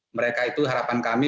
mereka itu harapan kami